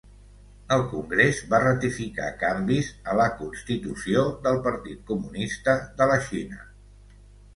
El Congrés va ratificar canvis a la Constitució del Partit Comunista de la Xina.